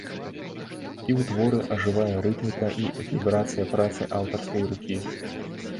І ў творы ажывае рытміка і вібрацыя працы аўтарскай рукі.